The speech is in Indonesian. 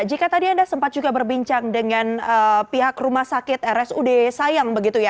jika tadi anda sempat juga berbincang dengan pihak rumah sakit rsud sayang